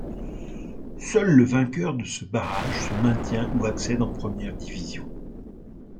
Seul le vainqueur de ce barrage se maintient ou accède en première division.